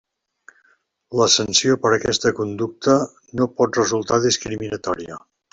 La sanció per aquesta conducta no pot resultar discriminatòria.